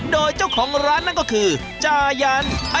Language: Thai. โดยเจ้าของร้านนั่นก็คือจายัน